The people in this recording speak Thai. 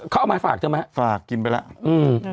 เขาเอามาฝากเธอไหมฮะฝากกินไปแล้วอืม